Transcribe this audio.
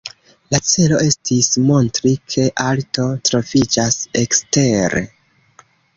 La celo estis montri ke arto troviĝas ekstere!